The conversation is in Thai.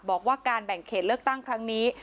บอกว่าการแบ่งเขตเลือกตั้งครั้งนี้